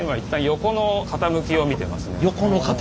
横の傾き。